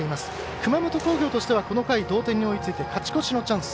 熊本工業としてはこの回、同点に追いついて勝ち越しのチャンス。